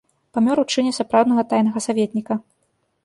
Памёр у чыне сапраўднага тайнага саветніка.